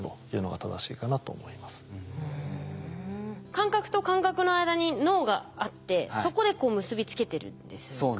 感覚と感覚の間に脳があってそこでこう結び付けてるんですかね。